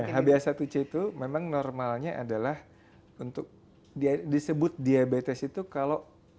hba satu c itu memang normalnya adalah untuk disebut diabetes itu kalau